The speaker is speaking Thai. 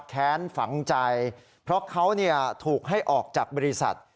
แค้นฝังใจเพราะเขาถูกให้ออกจากบริษัท